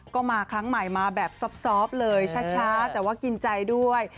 ก็มาครั้งใหม่มาแบบซอบเลยช้าแต่ว่ากินใจด้วย